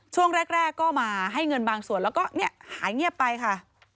ช่วงแรกก็มาให้เงินบางส่วนแล้วก็หายเงียบไปค่ะ